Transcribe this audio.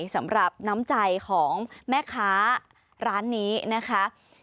สำหรับน้ำใจของแม่ค้าร้านนี้นะคะ